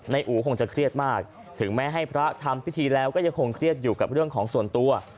อู๋คงจะเครียดมากถึงแม้ให้พระทำพิธีแล้วก็ยังคงเครียดอยู่กับเรื่องของส่วนตัว